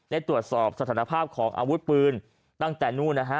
ได้ตรวจสอบสถานภาพของอาวุธปืนตั้งแต่นู่นนะฮะ